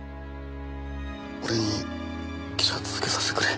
俺に記者続けさせてくれ。